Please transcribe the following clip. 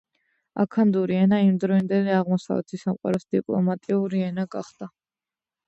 აქადური ენა იმდროინდელი აღმოსავლეთის სამყაროს დიპლომატიური ენა გახდა.